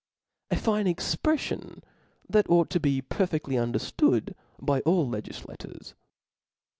*^ A fine exprdfion, that ought to be per fedtly uiulerftood by all kg^Qators!